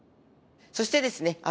そしてですね